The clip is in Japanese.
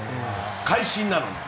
会心なのに。